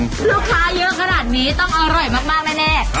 ลูกค้าเยอะขนาดนี้ต้องอร่อยมากแน่